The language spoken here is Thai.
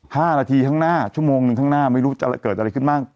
ห้านาทีข้างหน้าชั่วโมงหนึ่งข้างหน้าไม่รู้จะเกิดอะไรขึ้นบ้าง